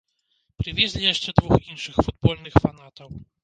Прывезлі яшчэ двух іншых футбольных фанатаў.